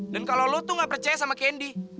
dan kalau lo tuh gak percaya sama candy